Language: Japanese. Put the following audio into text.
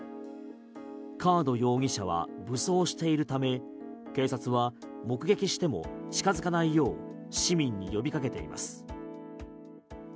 カード容疑者は武装しているため警察は目撃しても近付かないよう市民に呼びかけています。